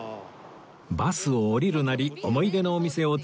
バスを降りるなり思い出のお店を次々発見